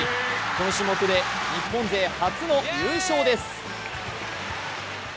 この種目で日本勢初の優勝です。